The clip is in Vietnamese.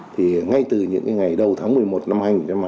thì ngay từ những ngày đầu tháng một mươi một năm hai nghìn hai mươi